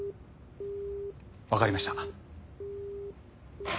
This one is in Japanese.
わかりました。